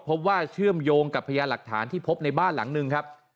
เชื่อว่าเชื่อมโยงกับพยานหลักฐานที่พบในบ้านหลังหนึ่งครับ